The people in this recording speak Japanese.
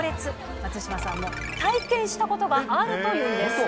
松島さんも体験したことがあるというんです。